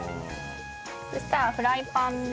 そしたらフライパンで。